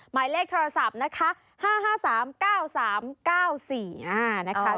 หมายเลขโทรศัพท์นะคะ๕๕๓๙๓๙๔๕นะคะ